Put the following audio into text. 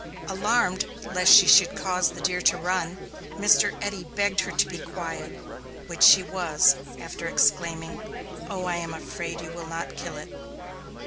Alarmed lest she should cause the deer to run, Mr. Eddy begged her to be quiet, which she was, after exclaiming, "Oh, I am afraid you will not kill it."